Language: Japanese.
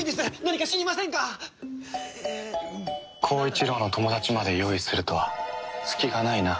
耕一郎の友達まで用意するとは隙がないな